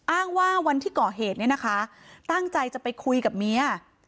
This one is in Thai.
อ้างว่าวันที่ก่อเหตุเนี่ยนะคะตั้งใจจะไปคุยกับเมีย